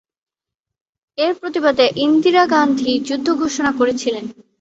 এর প্রতিবাদে ইন্দিরা গান্ধী যুদ্ধ ঘোষণা করেছিলেন।